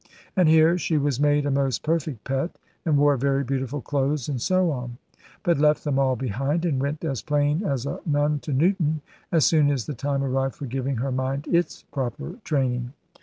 And here she was made a most perfect pet, and wore very beautiful clothes, and so on; but left them all behind, and went as plain as a nun to Newton, as soon as the time arrived for giving her mind its proper training.